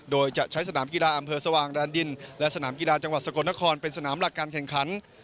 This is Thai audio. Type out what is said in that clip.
โดยจะใช้สนามกีฬาอำเภอสว่างแดนดินและสนามกีฬาจังหวัดสกลนครเป็นสนามหลักการแข่งขัน